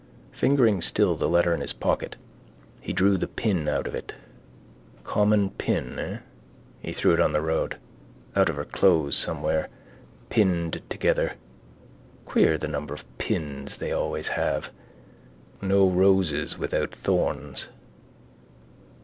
Fingering still the letter in his pocket he drew the pin out of it. Common pin, eh? He threw it on the road. Out of her clothes somewhere: pinned together. Queer the number of pins they always have. No roses without thorns.